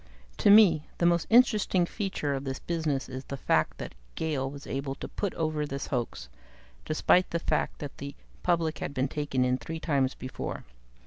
"To me, the most interesting feature of this business is the fact that Gale was able to put over this hoax, despite the fact that the public had been taken in three times before.